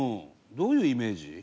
どういうイメージ？